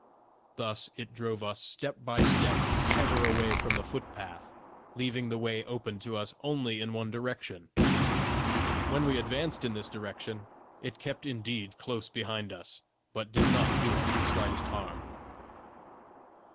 Thus it drove us step by step ever away from the foot path, leaving the way open to us only in one direction. When we advanced in this direction, it kept indeed close behind us, but did not do us the slightest harm."